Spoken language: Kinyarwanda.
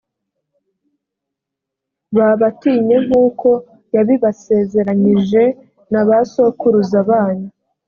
babatinye nk’uko yabibasezeranyije nabasokuruza banyu.